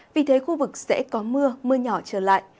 vì thế khu vực sẽ có mưa mưa nhỏ trở lại